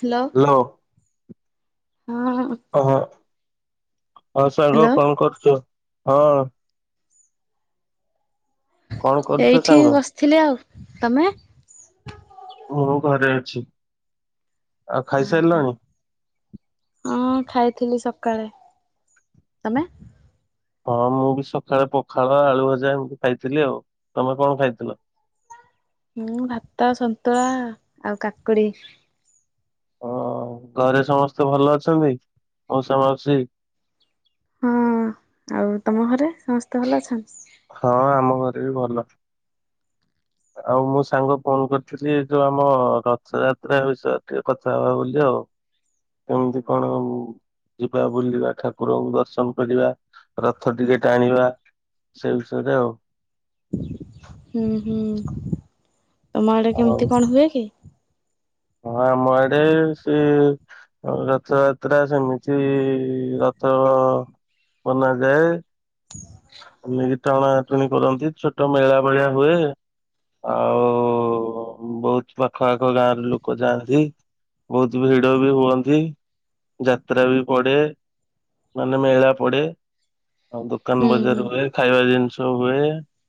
Hello hello ହଁ [inaudible] ଓ ହୋ ହଁ ସାଙ୍ଗ ହ୍ୟାଲୋ କଣ କରୁଚୁ? ହଁ କଣ କରୁଛ ଏଇଠି ସାଙ୍ଗ? ବସିଥିଲି, ଆଉ ତମେ? [inaudible] ମୁଁ ଘରେ ଅଛି। ଆଉ ଖାଇସାରିଲାଣି? [inaudible] ଥିଲି ସକାଳେ, [inaudible] ତମେ? ହଁ ମୁଁ ବି ସଖାଳେ ପଖାଳ ଆଳୁ ଭଜା ଏମତି ଖାଇଥିଲି ଆଉ, ତମେ କଣ ଖାଇଥିଲ? ମୁଁ ଭାତ ସନ୍ତୁଳା ଆଉ କାକୁଡ଼ି ଓ ଘରେ ସମସ୍ତେ ଭଲ ଅଛନ୍ତି, ମଉସା ମାଉସୀ? ହଁ ଆଉ ତମ ଘରେ ସମସ୍ତେ ଭଲ ଅଛନ୍? ଏ ବି ଭଲ [inaudible] ଆଉ ମୁଁ ସାଙ୍ଗ ଫୋନ କରିଥିଲି ଏ ଯୋଉ ଆମ ରଥ ଯାତ୍ରା ବିଷୟରେ ଟିକେ କଥା ହବା ବୋଲି ଆଉ, [inaudible] କେମତି କଣ ଯିବା ବୁଲିବା ଠାକୁରଙ୍କୁ ଦର୍ଶନ କରିବା ରଥ ଟିକେ ଟାଣିବା। ସେଇ ବିଷୟରେ ଆଉ। [inaudible] ହୁଁ ହୁଁ। [inaudible] ତମ ଆଡ଼େ ଆଉ କେମତି କଣ ହୁଏ କି? ହଁ ଆମ ଆଡ଼େ ସେ ରଥଯାତ୍ରା ସେମିତି ରଥ ବନାଯାଏ। ଆମେ ବି ଟଣାଟୁଣି କରନ୍ତି, ଛୋଟ ମେଳା ଭଳିଆ ହୁଏ, ଆଉ ବୋହୁତ ପାଖ ଆଖ ଗାଁର ଲୋକ ଯାଆନ୍ତି ବୋହୁତ ଭିଡ ବି ହୁଅନ୍ତି, ଯାତ୍ରା ବି ପଡ଼େ ମାନେ ମେଳା ପଡ଼େ, ଆଉ ଦୋକାନ ହୁଁ ବଜାର ହୁଁ ହୁଏ ଖାଇବା ଜିନିଷ ଜ ହୁଏ,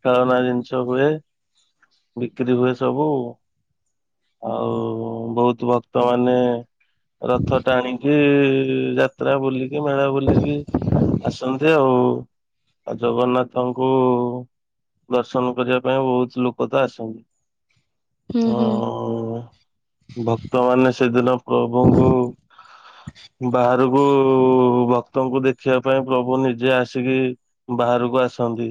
ତ ଖେଳନା ଜିନିଷ ହୁଏ ବିକ୍ରି ହୁଏ ସବୁ ଆଉ ବୋହୁତ ଭକ୍ତମାନେ ରଥ ଟାଣିକି ଯାତ୍ରା ବୁଲିକି ମେଳା ବୁଲିକି ଆସନ୍ତି ଆଉ। ଆ ଜଗନ୍ନାଥଙ୍କୁ ଦର୍ଶନ କରିବା ପାଇଁ ବୋହୁତ ଲୋକ ତ ଆସନ୍ତି। [inaudible] ହୁଁ ହୁଁ ହଁ ଭକ୍ତମାନେ ସେଦିନ ପ୍ରଭୁଙ୍କୁ [inaudible] ବାହାରୁକୁ ଭ ତଙ୍କୁ ଦେଖିବା ପାଇଁ ପ୍ରଭୁ ନିଜେ ଆସିକି ବାହାରୁକୁ ଆସନ୍ତି।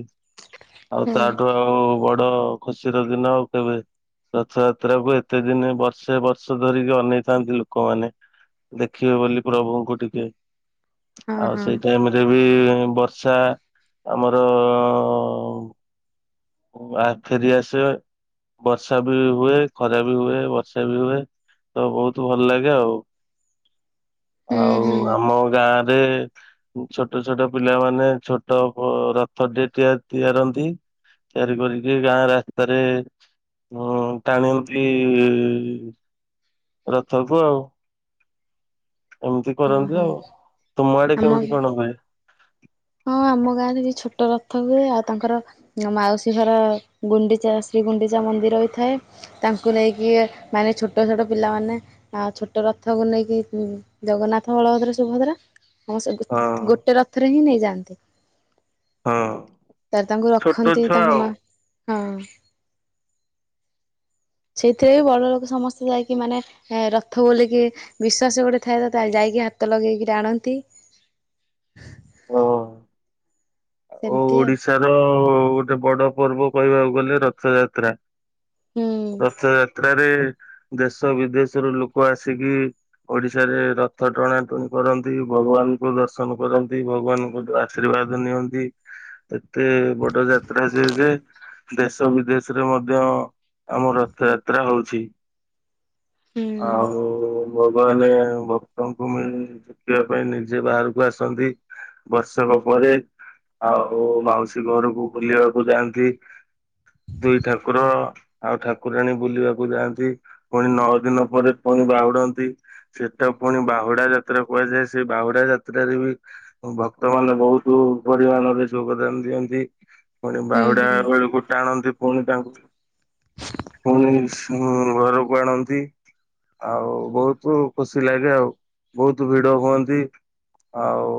ଆଉ ହୁଁ ତାଠୁ ଆଉ ବଡ଼୍ ଦ ଖୁସିର ଦିନ ଆଉ କେବେ ରଥଯାତ୍ରାକୁ ଏତେ ଦିନି ବର୍ଷେ ବର୍ଷ ଧରିକି ଅନେଇଥାନ୍ତି ଲୋକମାନେ, ଦେଖିବେ ବୋଲି ପ୍ରଭୁଙ୍କୁ ଟିକେ। ହଁ [inaudible] ଆଉ ହଁ ସେଇ ଟାଇମରେ ବି ବର୍ଷା ଆମର ଆ ଫେରିଆସେ ବର୍ଷା ବି ହୁଏ ଖରା ବି ହୁଏ ବର୍ଷା ବି ହୁଏ ତ ବୋହୁତ ଭଲ ଲାଗେ ଆଉ। ହୁଁ ଆଉ ହୁଁ ଆମ ଗାଁ ରେ ଉ ଛୋଟ ଛୋଟ ପିଲାମାନେ ଛୋ ତ ପ ରଥ ଡେ ତିଆ ତିଆରନ୍ତି ।ତିଆରି କରିକି ଗାଁ ରାସ୍ତାରେ ଉଁ ଟାଣନ୍ତି ରଥକୁ ଆଉ। ଏମତି ହଁ କରନ୍ତି ହଁ ଆଉ। ତୁମ ଆଡେ ଆମ କେମିତି କଣ ହୁଏ? ହଁ ଆମ ଗାଁରେ ବି ଛୋଟ ରଥ ହୁଏ। ଆଉ ତାଙ୍କର ମାଉସୀ ଘର ଗୁଣ୍ଡିଚା ଶ୍ରୀ ଗୁଣ୍ଡିଚା ମନ୍ଦିର ବି ଥାଏ। ତାଙ୍କୁ ନେଇକି ମାନେ ଛୋଟ ଛୋଟ ପିଲାମାନେ ଆ ଛୋଟ ରଥକୁ ନେଇକି ଉଁ ଜଗନ୍ନାଥ, ବଳଭଦ୍ର, ସୁଭଦ୍ରା ହଁ ସେ ଗୋତ୍ ଗୋଟେ ରଥରେ ହିଁ ନେଇଯା ଦେ ହଁ ଛୋଟ ଛୁଆ ତାଙ୍କ ମା ଆଉ। ହଁ ସେଇଥିରେ ବି ବଡ଼ ଲୋକ ସମସ୍ତେ ଯାଇକି ମାନେ ରଥ ବୋଲିକି ବିଶ୍ଵାସ ଗୋଟେ ଥାଏ ତ ତାହା ଯାଇକି ହାତ ଲଗେଇକି ଟାଣନ୍ତି। ହଁ। ଓ ସେମିତି ଆଉ ଓଡ଼ିଶାର ଗୋଟେ ବଡ଼ ପର୍ବ କହିବାକୁ ଗଲେ ରଥଯାତ୍ରା। ହୁଁ ରଥଯାତ୍ରାରେ ଦେଶ ବିଦେଶରୁ ଲୋକ ଆସିକି ଓଡ଼ିଶାରେ ରଥ ଟଣାଟୁଣି କରନ୍ତି ।ଭଗବାନଙ୍କୁ ଦର୍ଶନ କରନ୍ତି। ଭଗବାନଙ୍କୁ ଆଶୀର୍ବାଦ ନିଅନ୍ତି। ଏତେ ବଡ ଯାତ୍ରା ଯେ ଯେ ଦେଶ ବିଦେଶରେ ମଧ୍ୟ ଆମ ରଥ ଯାତ୍ରା ହଉଛି। ହୁଁ ଆଉ ଭଗବାନେ ଭକ୍ତଙ୍କୁ ମିଳି ଦେଖିବା ପାଇଁ ନିଜେ ବାହାରକୁ ଆସନ୍ତି ବର୍ଷକ ପରେ।‌‍‍ ଆଉ ମାଉସୀ ଘରକୁ ବୁଲିବାକୁ ଯାଆନ୍ତି ଦୁଇ ଠାକୁର ଆଉ ଠାକୁରାଣୀ ବୁଲିବାକୁ ଯାଆନ୍ତି। ପୁଣି ନଅ ଦିନ ପରେ ପୁଣି ବାହୁଡ଼ନ୍ତି। ସେଟକୁ ପୁଣି ବାହୁଡ଼ା ଯାତ୍ରା କୁହାଯାଏ। ସେ ବାହୁଡ଼ା ଯାତ୍ରାରେ ବି ଭକ୍ତ ମାନେ ବୋହୁତ ପରିବଣରେ ଯୋଗ ଦାନ ଦିଅନ୍ତି। ପୁଣି ହୁଁ ବାହୁଡା ହୁଁ ବେଳକୁ ଟାଣନ୍ତି। ପୁଣି ତାଙ୍କୁ ପୁଣି [unintelligible] ପୁଣି ଘରକୁ ଆଣନ୍ତି ।ଆଉ ବହୁତ ଖୁସି ଲାଗେ ଆଉ ବହୁତ ଭିଡ ହୁଅନ୍ତି ।ଆଉ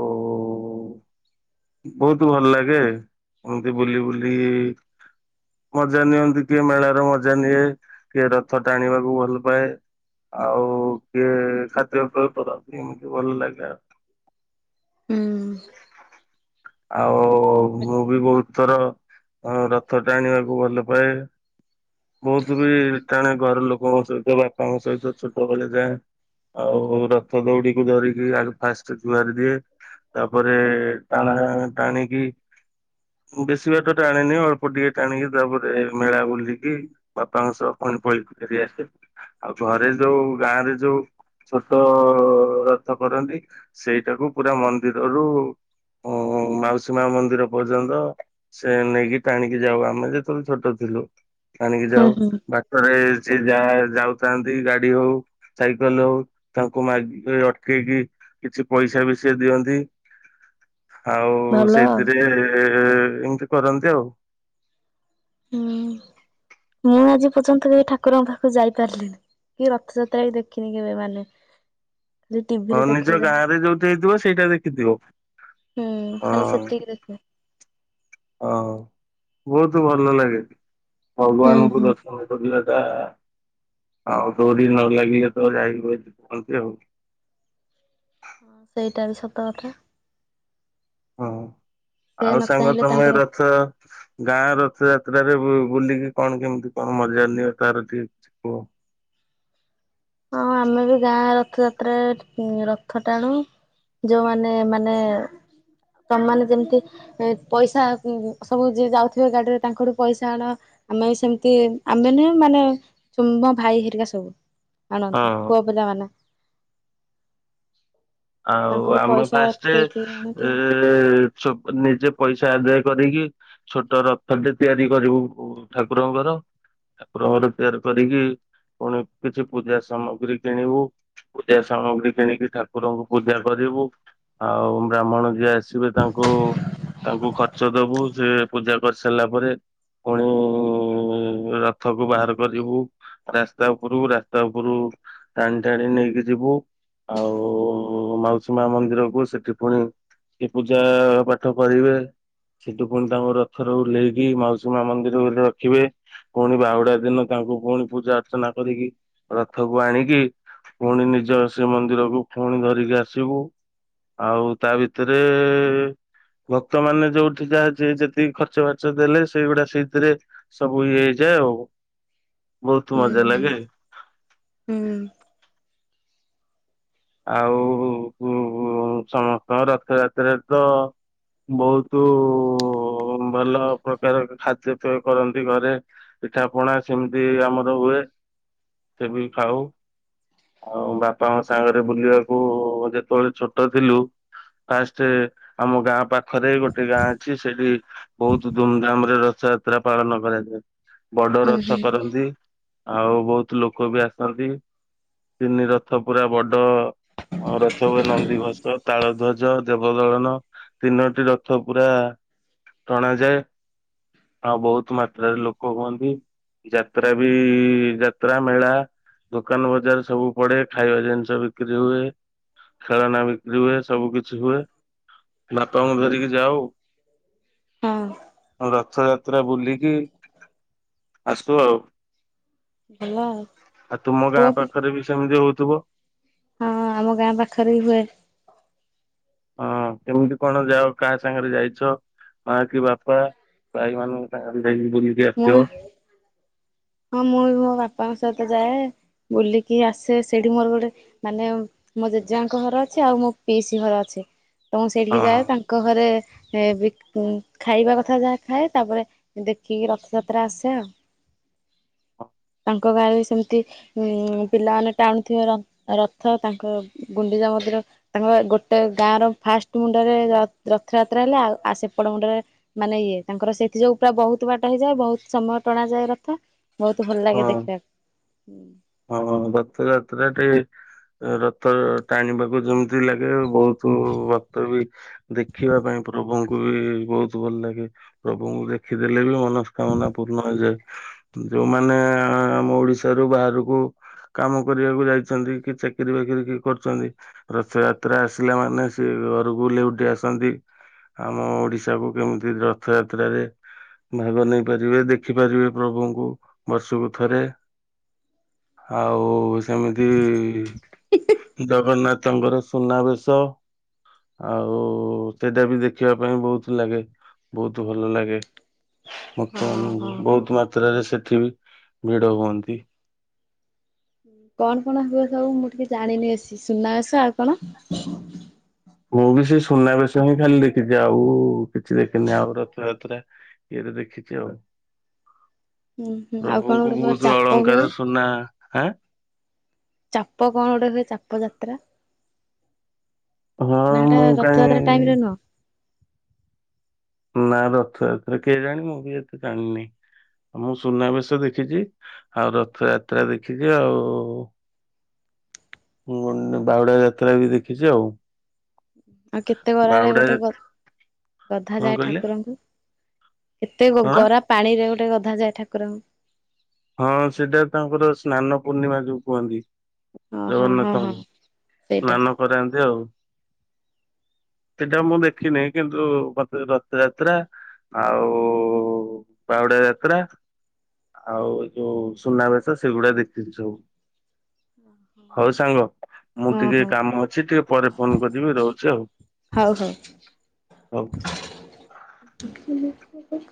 ବହୁତ ଭଲ ଲାଗେ ଏମିତି ବୁଲି ବୁଲି ମଜା ନିଅନ୍ତି। କିଏ ମେଳାର ମଜା ନିଏ, କିଏ ରଥ ଟାଣିବାକୁ ଭଲ ପାଏ, ଆଉ କିଏ ଖାଦ୍ୟପେୟ କରନ୍ତି। ଏମିତି ଭଲ ଲଗେ ଆଉ। ହୁଁ। ଆଉ ଓ ମୁ ବି ବହୁତ ଥର ହଁ ରଥ ଟାଣିବାକୁ ଭଲ ପାଏ। ବହୁତ ବି ଟାଣେ ଘର ଲୋକଙ୍କ ସହିତ, ବାପାଙ୍କ ସହିତ, ଛୋଟବେଳେ ଯାଏ ଆଉ ରଥ ଦଉଡିକୁ ଧରିକି ଆଗ ଫାଷ୍ଟ ଜୁଆରି ଦିଏ। ତାପରେ ଟାଣା ଟାଣିକି ବେଶୀ ବାଟ ଟାଣିନି ଅଳ୍ପ ଟିକେ ଟାଣିକି ତାପରେ ମେଳା ବୁଲିକି ବାପାଙ୍କ ସହ ପଣି ଫଳି ଫେରିଆସେ। ଆଉ ଘରେ ଯୋଉ ଗାଁରେ ଯୋଉ ଛୋଟ ରଥ କରନ୍ତି ସେଇଟାକୁ ପୁରା ମନ୍ଦିରରୁ ଉଁ ମାଉସୀ ମା ମନ୍ଦିର ପର୍ଯ୍ୟନ୍ତ ସେ ନେଇକି ଟାଣିକି ଯାଉ ଆମେ ଯେତେବେଳେ ଛୋଟ ଥିଲୁ। ଆଣିକି ହୁଁ ଯାଉ ହୁଁ ବାଟରେ ସିଏ ଯା ଯାଉଥାନ୍ତି ଗାଡି ହଉ ସାଇକେଲ ହଉ ତାଙ୍କୁ ମାଗି ଏଇ ଅଟକେଇକି କିଛି ପଇସା ବି ସେ ଦିଅନ୍ତି। ଆଉ ଭଲ ସେଇଥିରେ ଏ ଏମିତି କରନ୍ତି ଆଉ। ହୁଁ ମୁଁ ଆଜି ପର୍ଯ୍ୟନ୍ତ କେବେ ଠାକୁରଙ୍କ ପାଖକୁ ଯାଇପାରିଲିନି। କି ରଥଯାତ୍ରା ବି ଦେଖିନି କେବେ ମାନେ। ଖାଲି ହଁ ଟିଭିରେ ନିଜ ଦେଖେ ଯାହା ଗାଁ ରେ ଯୋଉଠି ହେଇଥିବ ସେଇଟା ଦେଖିଥିବ ହୁଁ ଖାଲି ହଁ। ସେତିକି ଦେଖେ। ହଁ ବହୁତ ଭଲ ଲାଗେ। ହୁଁ ଭଗବାନଙ୍କୁ ହୁଁ ଦର୍ଶନ କରିବା। ଆଉ ଡୋରି ନ ଲାଗିଲେ ତ ଯାଇହୁଏନି କହନ୍ତି ଆଉ। ହଁ ସେଇଟା ବି ସତ କଥା। ହଁ ସେ ନ ଆଉ ସାଙ୍ଗ ଚାହିଁଲେ ତାଙ୍କ ତମେ ପାଖ ରଥ ଗାଁ ରଥ ଯ ଯାତ୍ରା ରେ ବୁଲିକି କଣ କେମିତି କଣ ମଜା ନିିବ ତାର ଟିକେ କିଛି କୁହ। ହଁ ଆମେ ବି ଗାଁ ରଥଯାତ୍ରାରେ ରଥ ଟାଣୁ ଯୋଉମାନେ ମାନେ ତମାନେ ଯେମିତି ପଇସା ସବୁ ଯି ଯାଉଥିବେ ଗାଡିରେ ତାଙ୍କଠୁ ପଇସା ଆଣ ଆମେ ବି ସେମିତି ଆମେ ନୁହେ ମାନେ ଚୁମ ଭାଇ ହେରିକା ସବୁ ଆଣନ୍ତି ହଁ ପୁଅ ପିଲାମାନେ ଆଉ ତାଙ୍କଠୁ ଆମେ ପଇସା ଫାଷ୍ଟ କେହି କେହି ଆଣନ୍ତି। ଏ ନିଜେ ପଇସା ଆଦାୟ କରିକି ଛୋଟ ରଥଟେ ତିଆରି କରିବୁ ଠାକୁରଙ୍କର ଠାକୁରଙ୍କର ତିଆରି କରିକି ପୁଣି କିଛି ପୂଜା ସାମଗ୍ରୀ କିଣିବୁ ପୂଜା ସାମଗ୍ରୀ କିଣିକି ଠାକୁ କଠୁରଙ୍କୁ ପୂଜା କରିବୁ ଆଉ ବ୍ରାହ୍ମଣ ଯିଏ ଆସି [unintelligible] ତାଙ୍କୁ ତାଙ୍କୁ ଖର୍ଚ୍ଚ ଦବୁ ସେ ପୂଜା କରି ସାରିଲା ପରେ ପୁଣି ରଥକୁ ବାହାର କରିବୁ ରାସ୍ତା ଉପ ଉପରୁ ରାସ୍ତା ଉପରୁ ଟାଣି ଟାଣି ନେଇକି ଯିବୁ ଆଉ ଉ ମାଉସୀ ମା ମନ୍ଦିରକୁ ସେଠି ପୁଣି ପୂଜା ପାଠ କରିବେ ସେଠି ପୁଣି ତାଙ୍କ ରଥରେ ଓଲ୍ହେଇକି ମାଉସୀ ମା ମନ୍ଦିରରେ ରଖିବେ ପୁଣି ବାହୁଡା ଦିନ ତାଙ୍କୁ ପୁଣି ପୂଜା ଅର୍ଚ୍ଚନା କରିକି ରଥକୁ ଆଣିକି ପୁଣି ନିଜ ଶ୍ରୀମନ୍ଦିରକୁ ପୁଣି ଧରିକି ଆସିବୁ ଆଉ ତା ଭିତରେ ଭକ୍ତ ମାନ ଯୋଉଠି ଯାହା ଯେତିକି ଖର୍ଚ ବାର୍ଚ୍ଚ ଦେଲେ ସେଇଗୁଡା ସେଇଥିରେ ସବୁ ଇଏ ହେଇଯାଏ ଆଉ। ବହୁତ ହୁଁ ମଜା ହୁଁ। ଲାଗେ। ହୁଁ ଆଉ ସମସ୍ତଙ୍କ ରଥଯାତ୍ରାରେ ତ ବହୁତ ଭଲ ପ୍ରକାର ଖାଦ୍ୟପେୟ କରନ୍ତି ଘରେ ପିଠା ପଣା ସେମିତି ଆମର ହୁଏ ସେ ବି ଖାଉ ଆଉ ବାପାଙ୍କ ସାଙ୍ଗ। ବୁଲିବାକୁ ଯେତେବେଳେ ଛୋଟ ଥିଲୁ ଫାଷ୍ଟ ଆମ ଗାଁ ପାଖ ପାଖରେ ଗୋଟେ ଗାଁ ଅଛି ସେଇଠି ବହୁତ ଧୁମଧାମ ରେ ରଥଯାତ୍ରା ପାଳନ କରାଯାଏ। ବଡ ହୁଁ ରଥ ହୁଁ କରନ୍ତି। ଆଉ ବହୁତ ଲୋକ ବି ଆସନ୍ତି ତିନି ରଥ ପୁରା ବଡ ରଥ ହୁଏ ନନ୍ଦିଘୋଷ, ତାଳଧ୍ୱଜ, ଦେବଦଳନ ତିନୋଟି ରଥ ପୁରା ଟଣାାଯାଏ ଆଉ ବହୁତ ମାତ୍ରାରେ ଲୋକ ହୁଅନ୍ତି ଯାତ୍ରା ବି ବିକ୍ରି ହୁଏ ଖେଳନା ବିକ୍ରି ହୁଏ। ସବୁ କିଛି ହୁଏ ବାପାଙ୍କୁ ଧରିକି ଯାଉ ହଁ ରଥଯାତ୍ରା ବୁଲି। ଆସଛୁ ଆଉ। ଭଲ ଆଉ ଆଉ ତୁ ମ ଗାଁ ପୁଅ ପି ପାଖରେ ବି ସେମିତି ହେଉଥିବ ଯୁବ ହଁ ଆମ ଗାଁ ପାଖରେ ହୁଏ। ହଁ କେମିତି କଣ ଯାଅ କାହା ସାଙ୍ଗରେ ଯାଇଛ ମା କି ବାପା ଭାଇ ମାନଙ୍କ ସାଙ୍ଗରେ। ବୁଲିକ ମୁଁ ବି ଆସିବ ହଁ ମୁଁ ବି ମୋ ବାପାଙ୍କ ସହିତ ଯାଏ ବୁଲିକି ଆସେ ସେଇଠି ମୋର ଗୋଟେ ମାନେ ମୋ ଜେଜେବାଙ୍କ ଘର ଅଛି ଆଉ ମୋ ପିଇସି ଘର ଅଛି। ତ ମୁ ସେଇଠିକି ହଁ ହଁ। ଯାଏ ତାଙ୍କ ଘରେ ଖାଇବା କଥା ଯାହା ଖାଏ ତାପରେ ଦେଖିକି ରଥଯାତ୍ରା ଆସେ ଆଉ ତାଙ୍କ ଗାଁରେ ସେମିତି ଉଁ ପିଲାମାନେ ଟାଣୁଥିବ ରଥ ତାଙ୍କ ଗୁଣ୍ଡିଜା ମନ୍ଦିର ତାଙ୍କ ଗୋଟେ ଗାଁର ଫାଷ୍ଟ ମୁଣ୍ଡରେ ରଥଯାତ୍ରା ହେଲେ ଆଉ ଆ ସେପଟ ମୁଣ୍ଡରେ ମାନେ ଇଏ ତାଙ୍କର ସେଥି ଯୋଗୁ ପୁରା ବହୁତ ବାଟ ହେଇଯାଏ ବହୁତ ସମୟ ଟଣା ଯାଏ ରଥ ବହୁତ ଭଲ ଲାଗେ ଦେଖିବାକୁ। ହଁ ରଥ ଯାତ୍ରା ଟେ ରଥ ଟାଣିବାକୁ ଯେମିତି ଲାଗେ ବହୁତ ରଥ ବି ଦେଖିବା ପାଇଁ ପ୍ରଭୁଙ୍କୁ ବି ବହୁତ ଭଲ ଲାଗେ ପ୍ରଭୁଙ୍କୁ ଦେଖିଦେଲେ ବି ମନ। ମନସ୍କାମନା ପୂର୍ଣ ହୋଇଯାଏ। ଯୋଉଁମାନେ ଆମ ଓଡିଶାରୁୁ ବାହାରକୁ କାମ କରିବାକୁ ଯାଇଛନ୍ତି କି ଚାକିରୀ ବାକିରି କି କରୁଛନ୍ତି ରଥଯାତ୍ରା ଆସିଲା ମାନେ ସେ ଘରକୁ ଲେଉଠି ଆସନ୍ତି ଆମ ଓଡିଶାକୁ କେମିତି ରଥଯାତ୍ରାରେ ଭାଗ ନେଇପାରିବେ ଦେଖିପାରିବେ ପ୍ରଭୁଙ୍କୁ ବର୍ଷକୁ ଥରେ ଆଉ ସେମିତି ଜଗନ୍ନାଥଙ୍କର ସୁନାବେଶ ଆଉ ସେଟା ବି ଦେଖିବା ପାଇଁ ବହୁତ ଲାଗେ ବହୁତ ଭଲ ଲାଗେ। ହଁ ଭକ୍ତମାନଙ୍କୁ ହଁ ବହୁତ ମାତ୍ରାରେ ସେ ତେବେ ଭିଡ ହୁଅନ୍ତି। କଣ କଣ ହୁଏ ସବୁ ମୁଁ ଟିକେ ଜାଣିନି ଆସି ସୁନାବେସ ଆଉ କଣ ମୁଁ ବି ସେ ସୁନାବେେଶ ହିଁ ଖାଲି ଦେଖିଛି ଆଉ କିଛି ଦେଖିନି ଆଉ ରଥଯାତ୍ରା ଇଏରେ ଦେଖିଛି ଆଉ ହୁଁ ହୁଁ ଆଉ କଣ ପ୍ରଭୁଙ୍କୁ ଗୋଟେ କଣ ବହୁତ ଚାପ ହୁଏ ଅଳଙ୍କାର ସୁନା ହାଁ ଚାପ କଣ ଗୋଟେ ହୁଏ ଚାପ ଜାତ। [inaudible] ହଁ ମୁଁ କାଇଁ ନୁହଁ ନା ରଥଯାତ୍ରା କିଏ ଜାଣି ମୁଁ ବି ଏତେ ଜାଣିନି ମୁଁ ସୁନାବେଶ ଦେଖିଛି ଆଉ ରଥଯାତ୍ରା ଦେଖିଛି ଆଉ ମୁଁ ବାଉଡା ଯାତ୍ରା ବି ଦେଖିଛି ଆଉ ଆଉ କେତେ ଗରାରେ ବାହୁଡା ଗୋଟେ ଗ ଯାତ୍ରା ଗଧା କଣ ଯାଏ କହିଲେ ଠାକୁରଙ୍କୁ। କେତେ କଣ? ଗରା ପାଣି ରେ ରେ ଗଧା ଯାଏ ଠାକୁରଙ୍କୁ। ହଁ ସେଟା ତାଙ୍କର ସ୍ନାନ ପୂର୍ଣ୍ଣିମା ଯୋଉଁ କୁହନ୍ତି। ହଁ ହଁ ହଁ ଜଗନ୍ନାଥ ହଁ ସେଇଟା ସ୍ନାନ କରାନ୍ତି ଆଉ, ସେଟା ମୁଁ ଦେଖିନି କିନ୍ତୁ ମତେ ରଥଯାତ୍ରା ଆଉ ବାହୁଡ଼ା ଯାତ୍ରା ଆଉ ଏ ଯୋଉ ସୁନାବେସ ସେଗୁଡା ଦେଖିଥିଲି ସବୁ ହଉ ସାଙ୍ଗ ମୁଁ ହଁ ଟିକେ ହଁ କାମ ଅଛି ଟିକେ ପରେ ଫୋନ କରିବି ରହୁଛି ଆଉ ହଉ ହଉ। ହୋଉ। [inaudible]